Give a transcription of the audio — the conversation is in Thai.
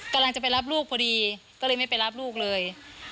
กำลังจะไปรับลูกพอดีก็เลยไม่ไปรับลูกเลย